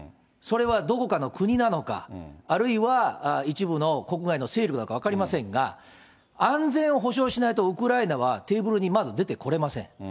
それはどこかの国なのか、あるいは一部の国外の勢力なのか分かりませんが、安全を保障しないと、ウクライナはテーブルにまず出てこれません。